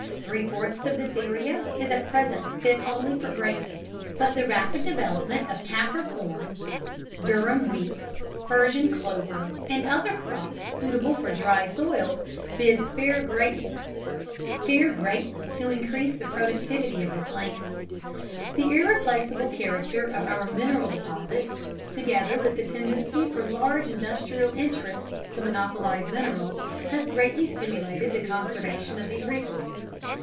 Three fourths of this area is at present fit only for grazing, but the rapid development of kaffir corn, durum wheat, Persian clover, and other crops suitable for dry soils bids fair greatly to increase the productivity of this land. The irreplaceable character of our mineral deposits, together with the tendency for large industrial interests to monopolize minerals. has greatly stimulated the conservation of these resources.